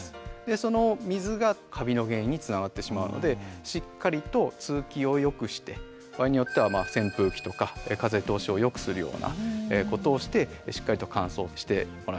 その水がカビの原因につながってしまうのでしっかりと通気をよくして場合によっては扇風機とか風通しをよくするようなことをしてしっかりと乾燥してもらいます。